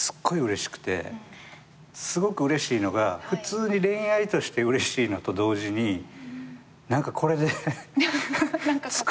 すごくうれしいのが普通に恋愛としてうれしいのと同時に何かこれで作れるかもしれないみたいな。